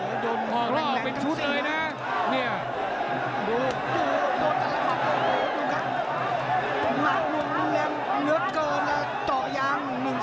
โหออกมาออกเป็นชุดเลยนะ